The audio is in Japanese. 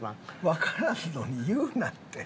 わからんのに言うなって。